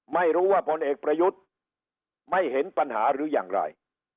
ไม่รู้ว่าผลเอกประยุทธ์ไม่เห็นปัญหาหรืออย่างไร